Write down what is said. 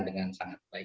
dengan sangat baik